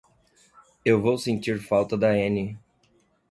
Eu vou sentir falta da Annie.